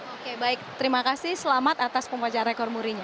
oke baik terima kasih selamat atas pembacaan rekor murinya